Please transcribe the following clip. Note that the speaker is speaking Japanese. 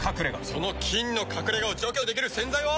その菌の隠れ家を除去できる洗剤は。